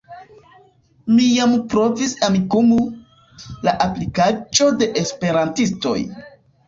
Mi jam provis Amikumu, la aplikaĵo de Esperantistoj.